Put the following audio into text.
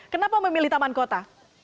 kenapa memilih taman kota